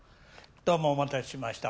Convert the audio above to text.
どうもお待たせしました。